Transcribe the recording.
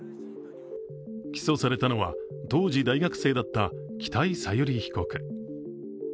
起訴されたのは当時大学生だった北井小由里被告。